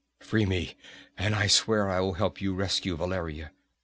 Free me and I swear I will help you rescue Valeria.